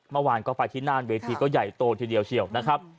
เมื่อวานก็ไปที่น่านเวทีก็ใหญ่โตทีเดียวเชียวนะครับ